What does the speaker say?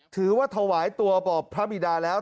ถือว่าถวายตัวบอกพระบิดาแล้ว